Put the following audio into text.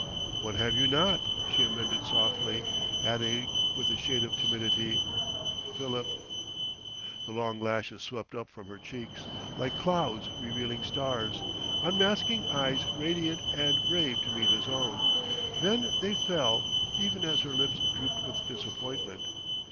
"What have you not?" she amended softly, adding with a shade of timidity: "Philip..." The long lashes swept up from her cheeks, like clouds revealing stars, unmasking eyes radiant and brave to meet his own; then they fell, even as her lips drooped with disappointment.